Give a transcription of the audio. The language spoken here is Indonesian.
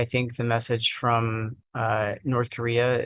meskipun semua masalah mereka